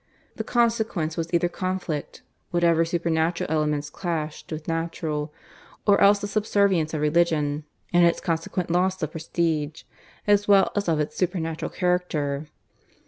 The consequence was either conflict, whenever supernatural elements clashed with natural; or else the subservience of Religion, and its consequent loss of prestige, as well as of its supernatural character.